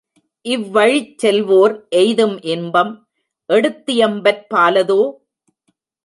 இவ்வழிச் செல்வோர் எய்தும் இன்பம் எடுத்தியம்பற்பாலதோ?